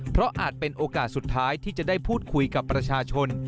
เพราะอาจเป็นโอกาสสุดท้ายที่จะได้พูดคุยกับประชาชน